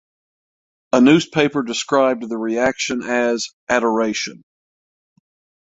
A newspaper described the reaction as "adoration".